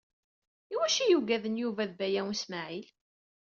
Iwacu i uggaden Yuba d Baya U Smaɛil?